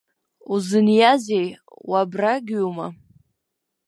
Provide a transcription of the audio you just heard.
Узыниазеи, уабрагьҩума?